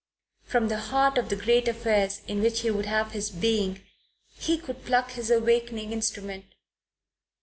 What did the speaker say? From the heart of the great affairs in which he would have his being he could pluck his awakening instrument.